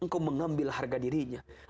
kamu mengambil harga dirinya